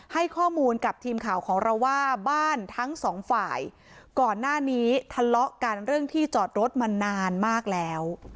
ให้ข้อมูลกับทีมข่าวของเราว่าบ้านทั้งสองฝ่ายก่อนหน้านี้ทะเลาะกันเรื่องที่จอดรถมานานมากแล้ว